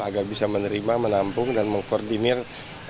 agar bisa menerima menampung dan mengkoordinir organisasi maupun kompetensi